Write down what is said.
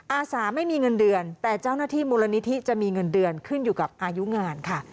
อาสาไม่มีเงินเดือนแต่เจ้าหน้าที่มูลนิธิจะมีเงินเดือนขึ้นอยู่กับอายุงานค่ะ